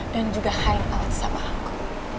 dan juga hangout sama aku